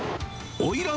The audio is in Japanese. おいらん